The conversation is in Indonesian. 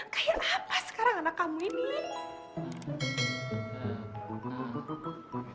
kayak apa sekarang anak kamu ini